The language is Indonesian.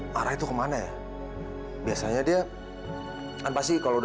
sampai jumpa di video selanjutnya